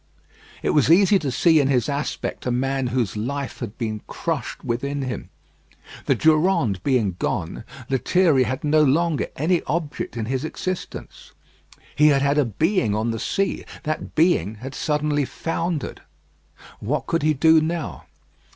It was easy to see in his aspect a man whose life had been crushed within him. The Durande being gone, Lethierry had no longer any object in his existence. He had had a being on the sea; that being had suddenly foundered. What could he do now?